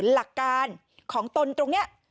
หลักการของตนตรงนี้